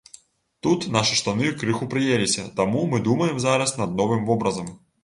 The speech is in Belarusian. Тут нашы штаны крыху прыеліся, таму мы думаем зараз над новым вобразам.